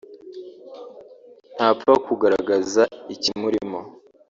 ntapfa kugaragaza ikimurimo